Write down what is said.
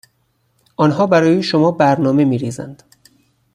آنها برای شما برنامه میریزند